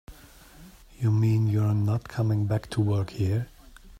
You mean you're not coming back to work here?